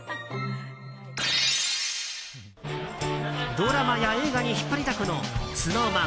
ドラマや映画に引っ張りだこのＳｎｏｗＭａｎ